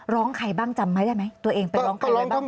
ร้องใครบ้างจำไหมได้ไหมตัวเองไปร้องใครร้องบ้าง